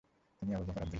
তিনিই Abu Bakr Abdullah!